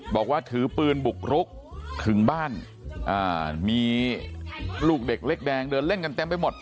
บอกว่าถือปืนบุกรุกถึงบ้านมีลูกเด็กเล็กแดงเดินเล่นกันเต็มไปหมด